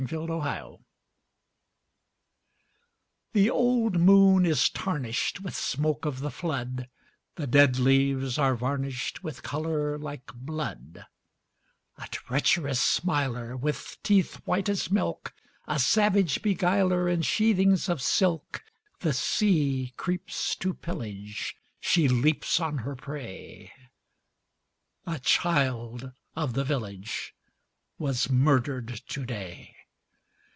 SEA LULLABY The old moon is tarnished With smoke of the flood, The dead leaves are varnished With color like blood, A treacherous smiler With teeth white as milk, A savage beguiler In sheathings of silk, The sea creeps to pillage, She leaps on her prey; A child of the village Was murdered to day.